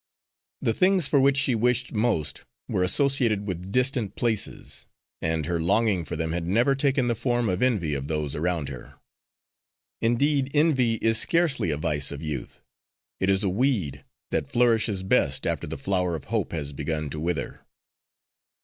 The things for which she wished most were associated with distant places, and her longing for them had never taken the form of envy of those around her. Indeed envy is scarcely a vice of youth; it is a weed that flourishes best after the flower of hope has begun to wither.